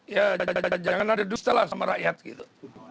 ya jangan ada duit setelah sama rakyat gitu